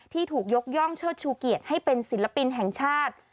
ที่ถูกยกย่องเชิดชูเกียรติให้เป็นศิลปินแห่งชาติ